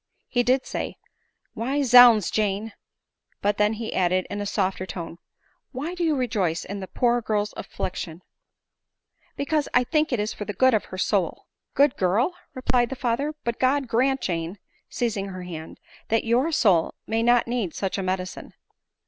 He did say, " Why, zounds, Jane !—" but then he added, in a softer tone, " why do you rejoice in the poor girl's affliction ?"" Because I think it is for the good of her soul." " Good girl !" replied the father ;" but God grant, Jane, (seizing her hand) that your soul may not need such a medicine